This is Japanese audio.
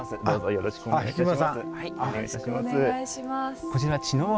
よろしくお願いします。